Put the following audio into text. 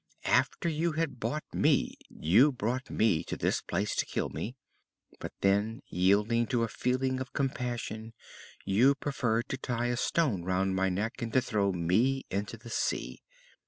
After you had bought me you brought me to this place to kill me; but then, yielding to a feeling of compassion, you preferred to tie a stone round my neck and to throw me into the sea.